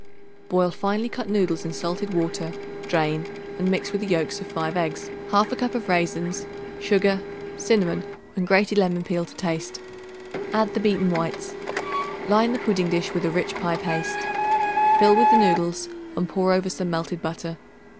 Boil finely cut noodles in salted water drain and mix with the yolks of 5 eggs, 1/2 cup of raisins, sugar, cinnamon, and grated lemon peel to taste. Add the beaten whites. Line the pudding dish with a rich pie paste. Fill with the noodles and pour over some melted butter.